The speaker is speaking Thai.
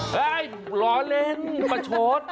เฮ่ยล้อเล่นมาโชฆ